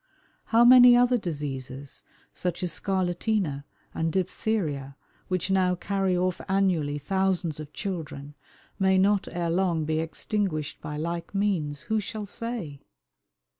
How many other diseases, such as scarlatina and diphtheria, which now carry off annually thousands of children, may not ere long be extinguished by like means who shall say?